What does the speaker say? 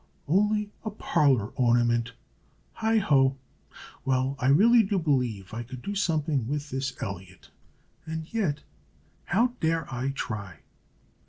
Only a parlor ornament heigh ho! Well, I really do believe I could do something with this Elliot; and yet how dare I try?"